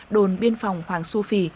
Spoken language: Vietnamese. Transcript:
đồn biên phòng hoàng su phi